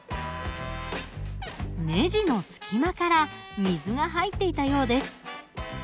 ねじの隙間から水が入っていたようです。